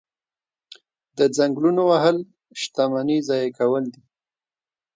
د ځنګلونو وهل شتمني ضایع کول دي.